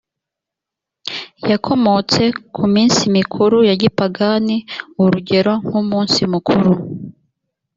yakomotse ku minsi mikuru ya gipagani urugero nk umunsi mukuru